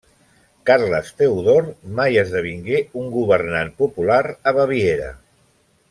Carles Teodor mai esdevingué un governant popular a Baviera.